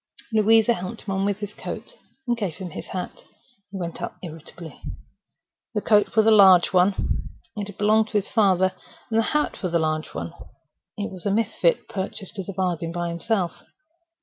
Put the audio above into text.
Louisa helped him on with his coat, and gave him his hat. He went out irritably. The coat was a large one (it had belonged to his father); the hat was a large one (it was a misfit purchased as a bargain by himself).